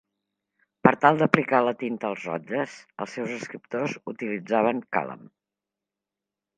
Per tal d'aplicar la tinta als rotlles, els seus escriptors utilitzaven càlam.